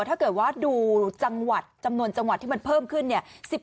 ถ้าเกิดว่าดูจังหวัดจำนวนจังหวัดที่มันเพิ่มขึ้นเนี่ย